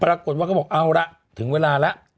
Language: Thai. ปรากฏว่าเขาบอกเอาละถึงเวลาแล้ว